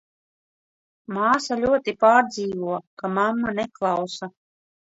Māsa ļoti pārdzīvo, ka mamma neklausa.